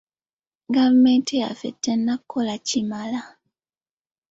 Gavumenti yaffe tannakola kimala.